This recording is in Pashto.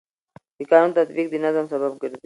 د قانون تطبیق د نظم سبب ګرځي.